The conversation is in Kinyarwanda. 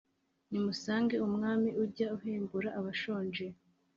Nimusange umwami ujya uhembura abashonje